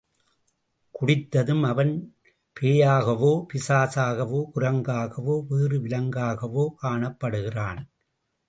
குடித்ததும் அவன் பேயாகவோ, பிசாசாகவோ, குரங்காகவோ, வேறு விலங்காகவோ காணப்படுகிறான்.